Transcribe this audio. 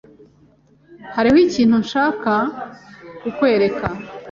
Hariho ikintu nshaka kukwereka.